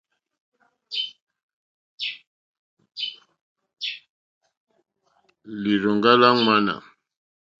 Lírzòŋɡá lá ŋwánà.